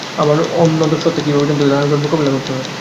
আমার অন্য সত্তা কি জানত কীভাবে এই দানবের মোকাবিলা করতে হয়?